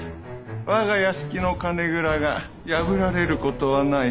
我が屋敷の金蔵が破られることはない。